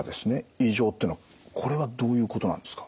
異常っていうのはこれはどういうことなんですか？